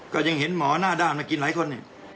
ก็ยังเห็นหมอหน้าด้านมากินหลายคนอีก